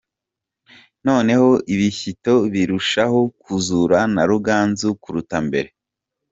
Noneho ibishyito birushaho kuzura na Ruganzu kuruta mbere.